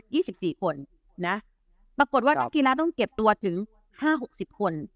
ี่สิบสี่คนนะปรากฏว่านักกีฬาต้องเก็บตัวถึงห้าหกสิบคน